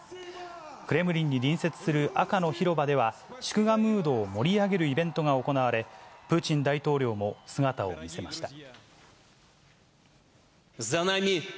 クレムリンに隣接する赤の広場では、祝賀ムードを盛り上げるイベントが行われ、プーチン大統領も姿を見せました。